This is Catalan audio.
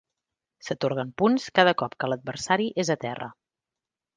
S'atorguen punts cada cop que l'adversari és a terra.